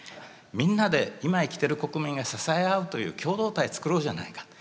みんなで今生きてる国民が支え合うという共同体作ろうじゃないかと。